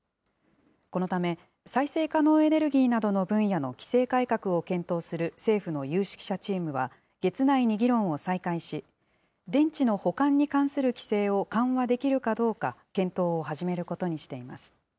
このため、再生可能エネルギーなどの分野の規制改革を検討する政府の有識者チームは、月内に議論を再開し、電池の保管に関する規制を緩和できるかどうか検討を始めることにしています。